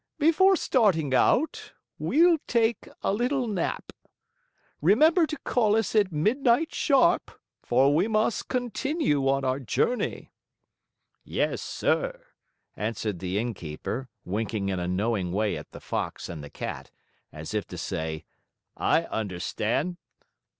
Before starting out, we'll take a little nap. Remember to call us at midnight sharp, for we must continue on our journey." "Yes, sir," answered the Innkeeper, winking in a knowing way at the Fox and the Cat, as if to say, "I understand."